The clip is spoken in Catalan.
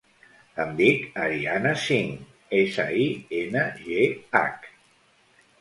Em dic Ariana Singh: essa, i, ena, ge, hac.